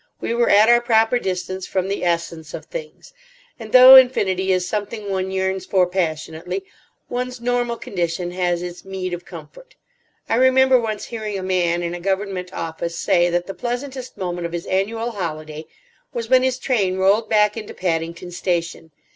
We were at our proper distance from the essence of things, and though infinity is something one yearns for passionately, one's normal condition has its meed of comfort. I remember once hearing a man in a Government office say that the pleasantest moment of his annual holiday was when his train rolled back into Paddington Station.